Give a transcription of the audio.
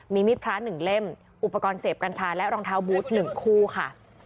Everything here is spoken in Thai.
มีมีดพระ๑เล่มอุปกรณ์เสพกัญชาและรองเท้าบูธ๑คู่ค่ะ